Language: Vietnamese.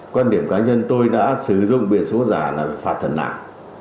quan điểm cá nhân tôi đã sử dụng biển số giả là phạt thần nạn